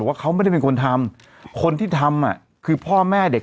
ว่าเขาไม่ได้เป็นคนทำคนที่ทำอ่ะคือพ่อแม่เด็ก